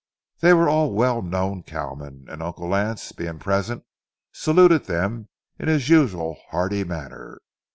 They were all well known cowmen, and Uncle Lance, being present, saluted them in his usual hearty manner.